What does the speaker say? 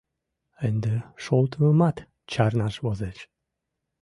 Ынде шолтымымат чарнаш возеш.